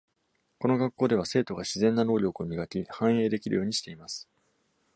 この学校では、生徒が自然な能力を磨き、繁栄できるようにしています。